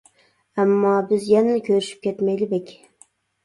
ئەمما بىز يەنىلا كۆرۈشۈپ كەتمەيلى بەك.